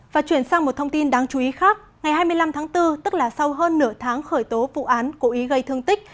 và chuyển sang một thông tin đáng chú ý khác ngày hai mươi năm tháng bốn tức là sau hơn nửa tháng khởi tố vụ án cố ý gây thương tích